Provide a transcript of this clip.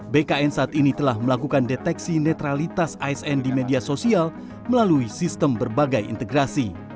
bkn saat ini telah melakukan deteksi netralitas asn di media sosial melalui sistem berbagai integrasi